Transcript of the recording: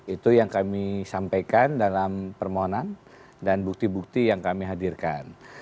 itu yang kami sampaikan dalam permohonan dan bukti bukti yang kami hadirkan